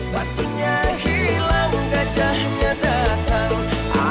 batunya hilang gajahnya datang